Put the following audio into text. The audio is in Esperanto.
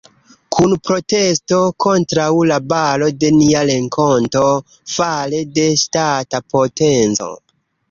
Kun protesto kontraŭ la baro de nia renkonto fare de la ŝtata potenco.